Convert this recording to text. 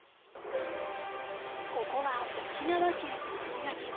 ここは沖縄県石垣島。